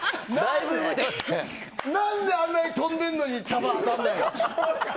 何であんなに跳んでるのに球当たらないの。